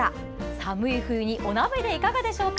寒い冬にお鍋でいかがでしょうか？